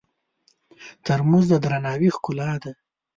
ترموز د درناوي ښکلا ده.